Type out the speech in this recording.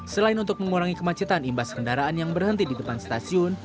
selain untuk mengurangi kemacetan imbas kendaraan yang berhenti di depan stasiun